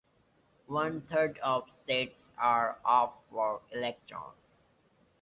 One third of seats were up for election.